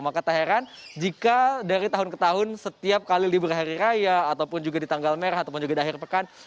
maka tak heran jika dari tahun ke tahun setiap kali libur hari raya ataupun juga di tanggal merah ataupun juga di akhir pekan